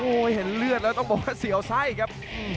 โอ้โหเห็นเลือดแล้วต้องบอกว่าเสียวไส้ครับ